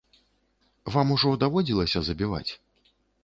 Вам ужо даводзілася забіваць?